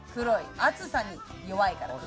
暑さに弱いから。